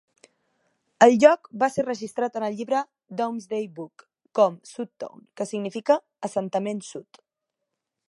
El lloc va ser registrat en el llibre "Domesday Book" com "Sudtone", que significa "assentament sud".